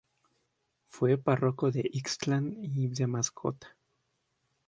Fue párroco de Ixtlán y de Mascota.